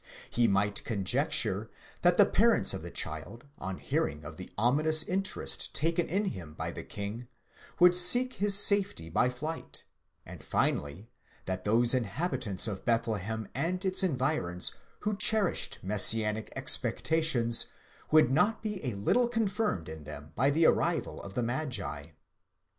He might conjecture that the parents of the child on heating of the ominous interest taken in him by the king, would seek his safety by flight, and finally, that those inhabitants of Bethlehem and its environs who cherished Messianic expectations, would not be a little confirmed in them by the arrival of the magi.